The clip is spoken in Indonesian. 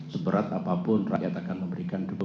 seberat apapun rakyat akan memberikan dukungan